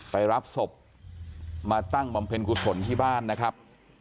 ไปรับศพมาตั้งบำเพ็ญกุศลที่บ้านนะครับ